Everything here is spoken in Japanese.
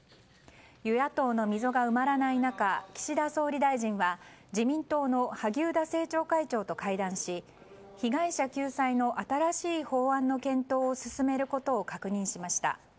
与野党の溝が埋まらない中岸田総理大臣は自民党の萩生田政調会長と会談し被害者救済の新しい法案の検討を進めることを確認しました。